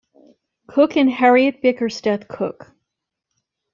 Cook and Harriet Bickersteth Cook.